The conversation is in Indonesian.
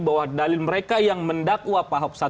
bahwa dalil mereka yang mendakwa pak ahok satu ratus lima puluh enam